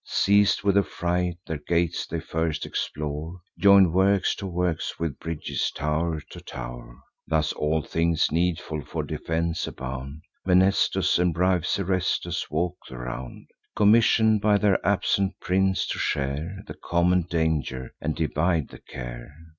Seiz'd with affright, their gates they first explore; Join works to works with bridges, tow'r to tow'r: Thus all things needful for defence abound. Mnestheus and brave Seresthus walk the round, Commission'd by their absent prince to share The common danger, and divide the care.